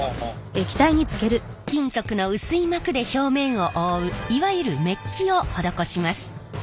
金属の薄い膜で表面を覆ういわゆるめっきを施します。